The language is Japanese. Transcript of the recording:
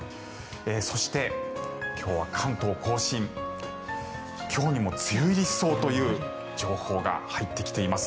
そして、今日は関東・甲信今日にも梅雨入りしそうという情報が入ってきています。